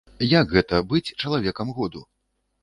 Як гэта быць чалавекам году?